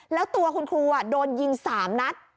แล้วตัวคุณครูโดนยิง๓นัด